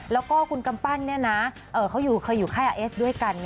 แล้วก็คุณกำปั้นเขาเคยอยู่ค่ายอาเอสด้วยกัน